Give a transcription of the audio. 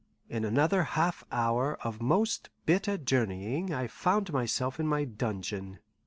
In another half hour of most bitter journeying I found myself in my dungeon.